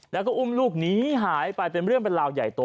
แล้วอุ้มลูกนี้หายไปเรื่องเป็นเหล่าใหญ่โต